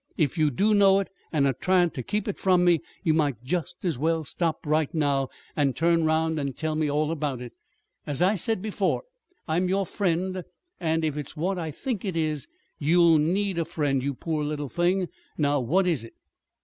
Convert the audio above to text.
If you do know it, and are tryin' ter keep it from me, you might just as well stop right now, and turn 'round and tell me all about it. As I said before, I'm your friend, and if it's what I think it is you'll need a friend, you poor little thing! Now, what is it?"